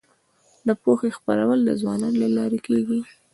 د پوهې خپرول د ځوانانو له لارې کيږي.